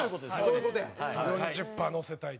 澤部：４０パー、乗せたいと。